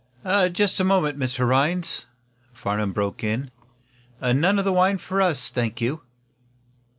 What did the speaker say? "Just a moment, Mr. Rhinds," Farnum broke in. "None of the wine for us, thank you."